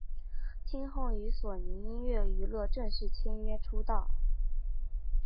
之后与索尼音乐娱乐正式签约出道。